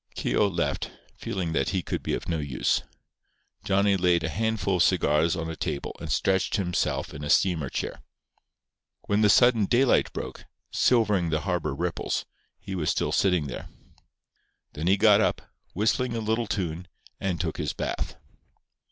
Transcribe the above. Keogh left, feeling that he could be of no use. Johnny laid a handful of cigars on a table and stretched himself in a steamer chair. When the sudden daylight broke, silvering the harbour ripples, he was still sitting there. Then he got up, whistling a little tune, and took his bath.